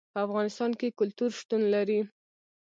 په افغانستان کې کلتور شتون لري.